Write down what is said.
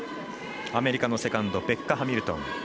アメリカのセカンドベッカ・ハミルトン。